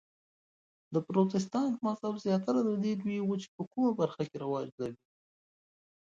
د پروتستانت مذهب زیاتره د دې لویې وچې په کومه برخه کې رواج لري؟